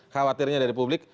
khawatirnya dari publik